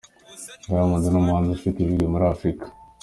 Diamond, ni umuhanzi ufite ibigwi muri Afurika.